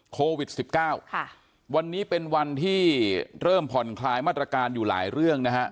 โควิด๑๙วันนี้เป็นวันที่เริ่มผ่อนคลายมาตรการอยู่หลายเรื่องนะฮะ